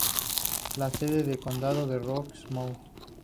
La sede de condado es Rocky Mount.